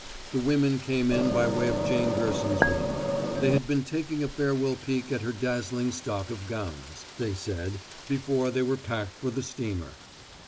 The women came in by way of Jane Gerson's room; they had been taking a farewell peek at her dazzling stock of gowns, they said, before they were packed for the steamer.